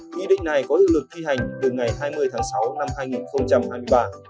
nghị định này có hiệu lực thi hành từ ngày hai mươi tháng sáu năm hai nghìn hai mươi ba